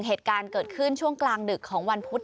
เหตุการณ์เกิดขึ้นช่วงกลางดึกของวันพุธ